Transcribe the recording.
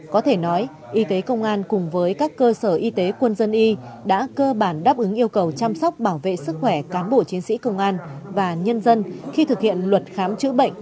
có thể nói y tế công an cùng với các cơ sở y tế quân dân y đã cơ bản đáp ứng yêu cầu chăm sóc bảo vệ sức khỏe cán bộ chiến sĩ công an và nhân dân khi thực hiện luật khám chữa bệnh